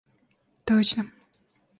точно